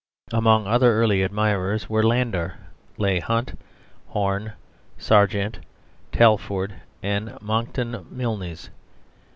Among other early admirers were Landor, Leigh Hunt, Horne, Serjeant Talfourd, and Monckton Milnes.